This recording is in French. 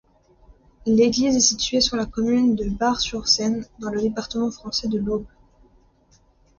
L'église est située sur la commune de Bar-sur-Seine, dans le département français de l'Aube.